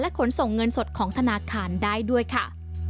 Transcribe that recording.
ขนส่งเงินสดของธนาคารได้ด้วยค่ะ